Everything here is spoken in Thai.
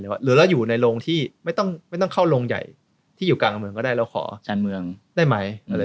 หรือเราอยู่ในโรงที่ไม่ต้องเข้าโรงใหญ่ที่อยู่กลางเมืองก็ได้เราขอการเมืองได้ไหม